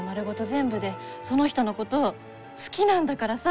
全部でその人のこと好きなんだからさ！